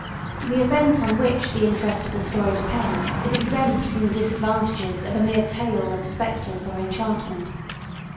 The event on which the interest of the story depends is exempt from the disadvantages of a mere tale of spectres or enchantment.